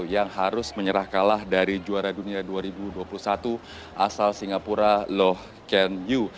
yang harus menyerah kalah dari juara dunia dua ribu dua puluh satu asal singapura loh ken yu